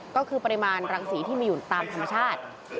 ก็คือปริมาณรังสีที่มีอยู่ตามธรรมชาติ